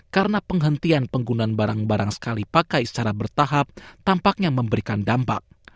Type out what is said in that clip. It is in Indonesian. karena penghentian penggunaan barang barang sekali pakai secara bertahap tampaknya memberikan dampak